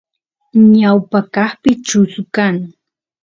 ñawpa kaspi chusu kan